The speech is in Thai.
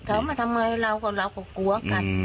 เรามาทำอะไรเราก็กลัวกัน